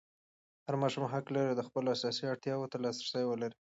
هر ماشوم حق لري چې د خپلو اساسي اړتیاوو ته لاسرسی ولري.